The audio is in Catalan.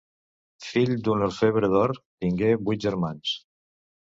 Fill d'un orfebre d'or, tingué vuit germans.